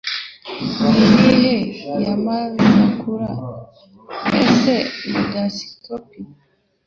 Ni iyihe Yamazakura Ese Mudskipper